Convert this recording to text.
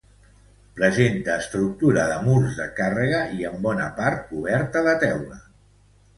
Presenta estructura de murs de càrrega i en bona part coberta de teula.